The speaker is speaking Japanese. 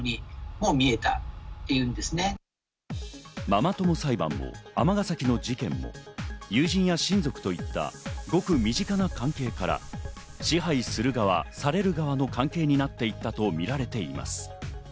ママ友裁判も尼崎の事件も友人や親族といったごく身近な関係から支配する側・される側の関係になっていったとみられています。